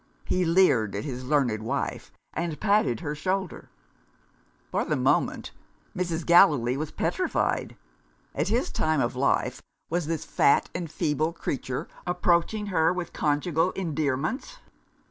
He leered at his learned wife, and patted her shoulder! For the moment, Mrs. Gallilee was petrified. At his time of life, was this fat and feeble creature approaching her with conjugal endearments?